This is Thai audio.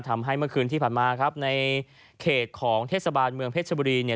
ทำให้เมื่อคืนที่ผ่านมาครับในเขตของเทศบาลเมืองเพชรบุรีเนี่ย